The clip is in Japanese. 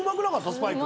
スパイク。